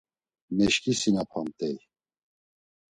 Meşǩisinapamt̆ey.